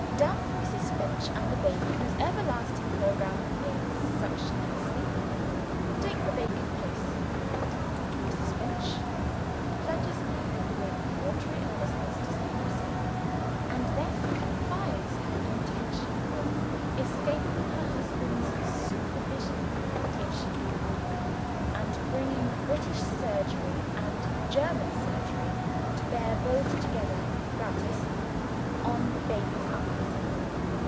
Damp Mrs. Finch, and the baby whose everlasting programme is suction and sleep, take the vacant place. Mrs. Finch pledges me with watery earnestness to secrecy; and then confides her intention of escaping her husband's supervision if she can, and bringing British surgery and German surgery to bear both together (gratis) on baby's eyes.